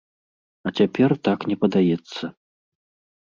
А цяпер так не падаецца.